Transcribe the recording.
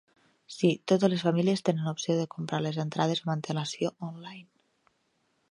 Sí, totes les famílies tenen opció de comprar les entrades amb antel·lacio online.